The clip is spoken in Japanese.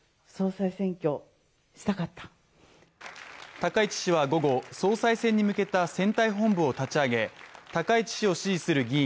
高市氏は午後、総裁選に向けた選対本部を立ち上げ高市氏を支持する議員